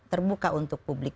terbuka untuk publik